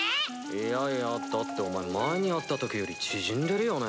いやいやだってお前前に会った時より縮んでるよね？